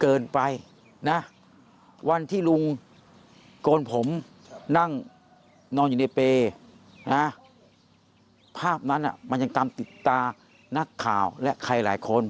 เกินไปนะวันที่ลุงโกนผมนั่งนอนอยู่ในเปย์นะภาพนั้นมันยังตามติดตานักข่าวและใครหลายคน